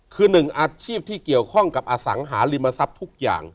คือหนึ่งอาชีพที่เกี่ยวข้องกับอสังหาริมทรัพย์ทุกอย่าง